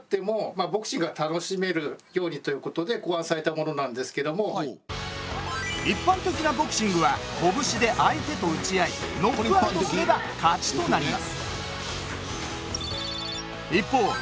その中でも一般的なボクシングは拳で相手と打ち合いノックアウトすれば勝ちとなります。